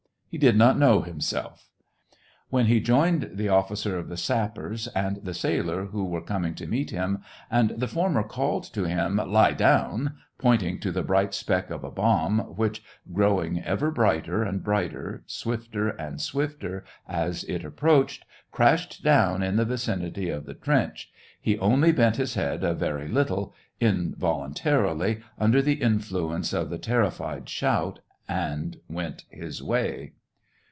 He did not know himself. When he joined the officer of sappers and the sailor who were com ing to meet him, and the former called to him, "Lie down," pointing to the bright speck of a bomb, which, growing ever brighter and brighter, swifter and swifter, as it approached, crashed down in the vicinity of the trench, he only bent his head a very little, involuntarily, under the influence of the terrified shout, and went his way.